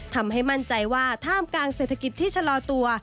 ทำให้มั่นใจว่าท่ามกลางเศรษฐกิจที่ชะลอตัว